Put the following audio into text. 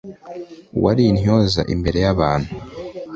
uwari intyoza imbere y'abantu